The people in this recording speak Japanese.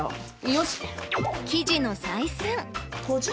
よし。